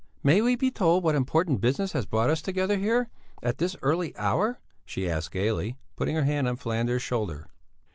"May we be told what important business has brought us together here, at this early hour?" she asked gaily, putting her hand on Falander's shoulder.